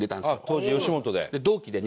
当時吉本で？